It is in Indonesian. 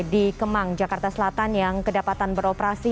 di kemang jakarta selatan yang kedapatan beroperasi